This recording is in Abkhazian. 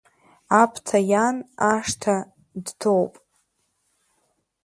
Аԥҭа иан ашҭа дҭоуп.